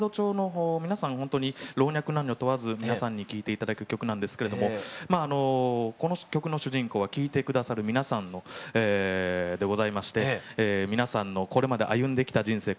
ほんとに老若男女問わず皆さんに聴いて頂ける曲なんですけれどもこの曲の主人公は聴いて下さる皆さんでございまして皆さんのこれまで歩んできた人生